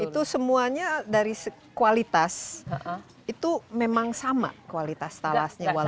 itu semuanya dari kualitas itu memang sama kualitas talasnya